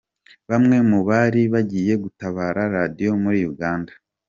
Bamwe mu bari bagiye gutabara Radio muri uganda.